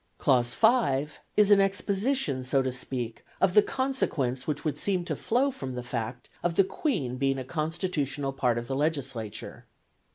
Clause 5 is an exposition, so to speak, of the consequence which would seem to flow from the fact of the Queen being a constitutional part of the Legislature.